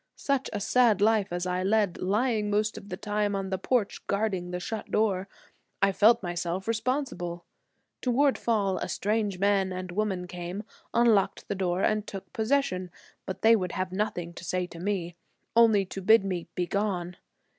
Such a sad life as I led, lying most of the time on the porch guarding the shut door. I felt myself responsible. Toward fall a strange man and woman came, unlocked the doors and took possession; but they would have nothing to say to me, only to bid me 'begone.'